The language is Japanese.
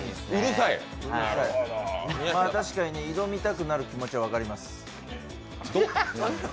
確かに挑みたくなる気持ちは分かります。